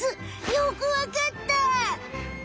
よくわかった。